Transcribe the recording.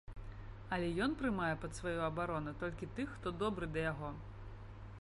Але ён прымае пад сваю абарону толькі тых, хто добры да яго.